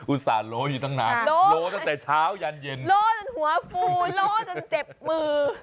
ส่าห์โล้อยู่ตั้งนานโลตั้งแต่เช้ายันเย็นโล่จนหัวฟูโล่จนเจ็บมือ